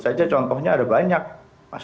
saja contohnya ada banyak mas